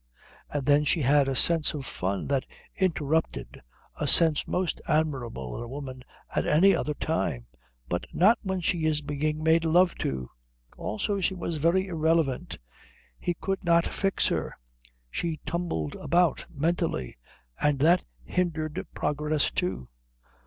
And then she had a sense of fun that interrupted, a sense most admirable in a woman at any other time, but not when she is being made love to. Also she was very irrelevant; he could not fix her; she tumbled about mentally, and that hindered progress, too.